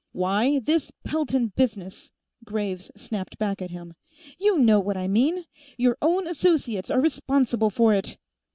"Why, this Pelton business," Graves snapped back at him. "You know what I mean. Your own associates are responsible for it!"